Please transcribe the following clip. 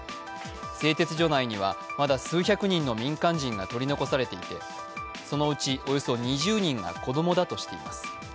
製鉄所内にはまだ数百人の民間人が取り残されていてそのうちおよそ２０人が子供だとしています。